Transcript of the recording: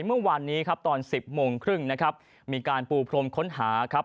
เมื่อวานนี้ครับตอนสิบโมงครึ่งนะครับมีการปูพรมค้นหาครับ